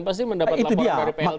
pasti mendapat laporan dari plt